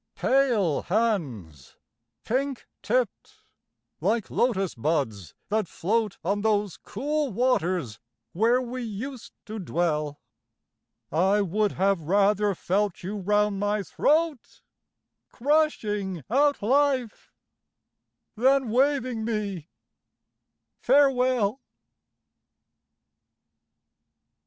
Pale hands, pink tipped, like Lotus buds that float On those cool waters where we used to dwell, I would have rather felt you round my throat, Crushing out life, than waving me farewell!